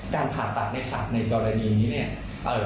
การผ่าตัดในสัตว์ในกรณีนี้เนี่ย